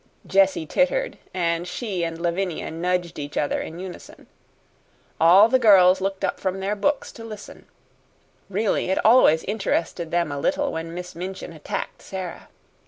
Jessie tittered, and she and Lavinia nudged each other in unison. All the girls looked up from their books to listen. Really, it always interested them a little when Miss Minchin attacked Sara.